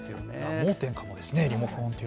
盲点かもですね。